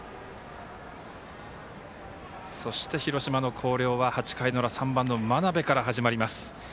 そして、広島の広陵は８回の裏３番の真鍋から始まります。